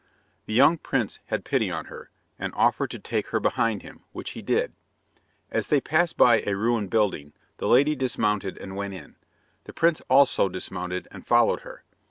The young prince had pity on her, and offered to take her behind him, which he did. As they passed by a ruined building the lady dismounted and went in. The prince also dismounted and followed her.